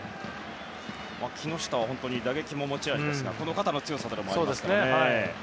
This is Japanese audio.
木下は打撃も持ち味ですが肩の強さもありますからね。